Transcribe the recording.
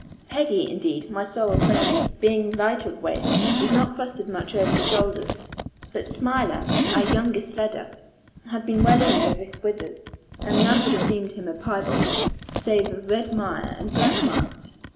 Peggy, indeed, my sorrel pony, being lighter of weight, was not crusted much over the shoulders; but Smiler (our youngest sledder) had been well in over his withers, and none would have deemed him a piebald, save of red mire and black mire.